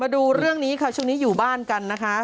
มาดูเรื่องนี้ชุดนี้อยู่บ้านกันนะคะ